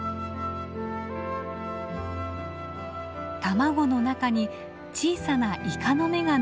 卵の中に小さなイカの目が並んでいます。